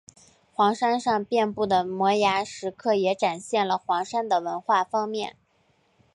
黄山上遍布的摩崖石刻也展现了黄山的文化方面。